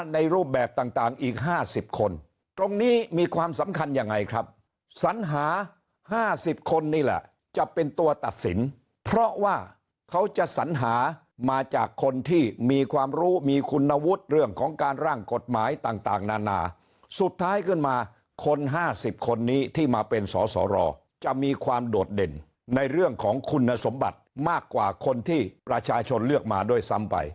ในรูปแบบต่างอีก๕๐คนตรงนี้มีความสำคัญยังไงครับสัญหา๕๐คนนี่แหละจะเป็นตัวตัดสินเพราะว่าเขาจะสัญหามาจากคนที่มีความรู้มีคุณวุฒิเรื่องของการร่างกฎหมายต่างนานาสุดท้ายขึ้นมาคน๕๐คนนี้ที่มาเป็นสสรจะมีความโดดเด่นในเรื่องของคุณสมบัติมากกว่าคนที่ประชาชนเลือกมาด้วยซ้ำไป